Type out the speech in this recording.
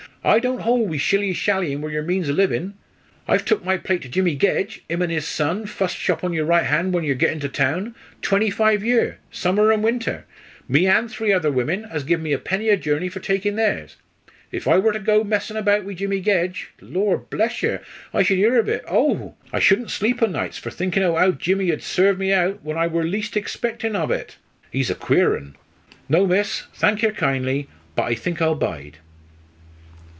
"I don't hold wi' shilly shallyin' wi' yer means o' livin'. I've took my plait to Jimmy Gedge 'im an' 'is son, fust shop on yer right hand when yer git into town twenty five year, summer and winter me an' three other women, as give me a penny a journey for takin' theirs. If I wor to go messin' about wi' Jimmy Gedge, Lor' bless yer, I should 'ear ov it oh! I shoulden sleep o' nights for thinkin' o' how Jimmy ud serve me out when I wor least egspectin' ov it. He's a queer un. No, miss, thank yer kindly; but I think I'll bide."